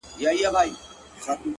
o اوښکي دي پر مځکه درته ناڅي ولي ـ